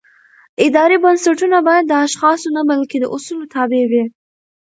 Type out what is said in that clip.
اداري بنسټونه باید د اشخاصو نه بلکې د اصولو تابع وي